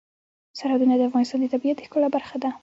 سرحدونه د افغانستان د طبیعت د ښکلا برخه ده.